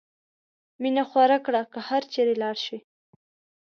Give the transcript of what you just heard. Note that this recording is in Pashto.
مینه خوره کړه که هر چېرې لاړ شې.